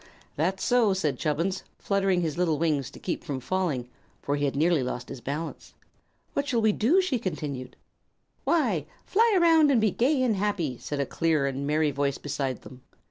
"That's so," said Chubbins, fluttering his little wings to keep from falling, for he had nearly lost his balance. "What shall we do?" she continued. "Why, fly around and be gay and happy," said a clear and merry voice beside them.